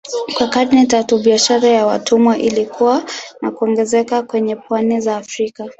Kwa karne tatu biashara ya watumwa ilikua na kuongezeka kwenye pwani za Afrika.